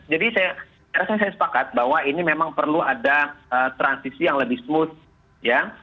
jadi saya rasa saya sepakat bahwa ini memang perlu ada transisi yang lebih smooth ya